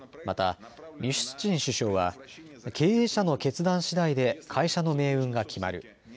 またミシュスチン首相は経営者の決断しだいで会社の命運が決まる。